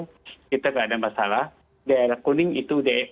itu tidak ada masalah daerah kuning itu